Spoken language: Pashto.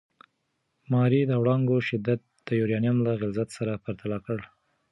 ماري د وړانګو شدت د یورانیم له غلظت سره پرتله کړ.